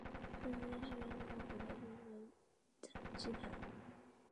芮氏双珠螺为左锥螺科双珠螺属下的一个种。